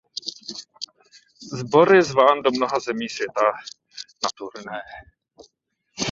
Sbor je zván do mnoha zemí světa na turné.